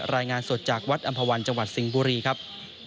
รายงานสดจากวัดอำภาวันจังหวัดสิงห์บุรีครับ